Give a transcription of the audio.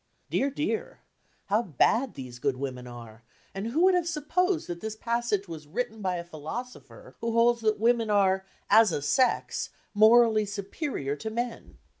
Dear, dear! How bad these good women are, and who would have supposed that this passage was written by a philosopher who holds that women are, "as a sex," morally superior to men?